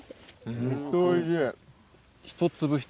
ホントおいしい。